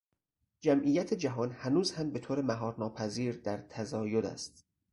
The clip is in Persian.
جمعیت جهان هنوز هم به طور مهار ناپذیر در تزاید است.